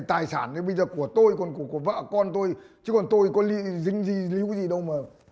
tài sản bây giờ của tôi còn của vợ con tôi chứ còn tôi có dính líu gì đâu mà